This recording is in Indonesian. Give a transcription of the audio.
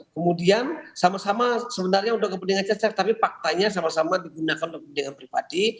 kemudian sama sama sebenarnya untuk kepentingan cecak tapi faktanya sama sama digunakan untuk kepentingan pribadi